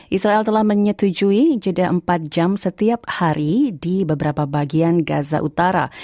israel telah menyetujui jeda empat jam setiap hari di beberapa bagian gaza utara